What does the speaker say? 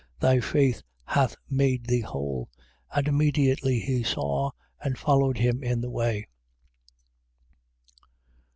Thy faith hath made thee whole. And immediately he saw and followed him in the way.